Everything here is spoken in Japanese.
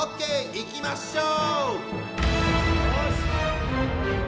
いきましょう！